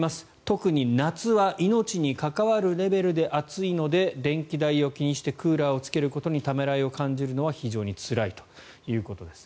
特に夏は命に関わるレベルで暑いので電気代を気にしてクーラーをつけることにためらいを感じるのは非常につらいということです。